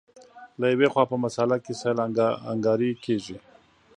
له یوې خوا په مسأله کې سهل انګاري کېږي.